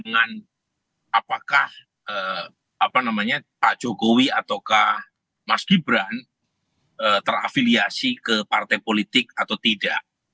sebenarnya tidak menjadi persoalan ya terkait dengan apakah pak jokowi ataukah mas gibran terafiliasi ke partai politik atau tidak